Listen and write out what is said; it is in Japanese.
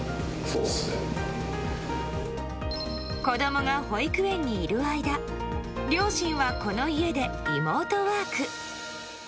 子供が保育園にいる間両親は、この家でリモートワーク。